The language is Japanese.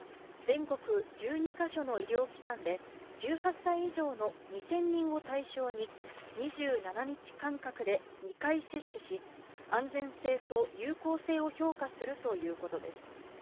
臨床試験は全国１２か所の医療機関で、１８歳以上の２０００人を対象に、２７日間隔で２回接種し、安全性と有効性を評価するということです。